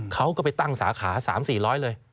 เขาก็ไปตั้งสาขา๓๔๐๐เลย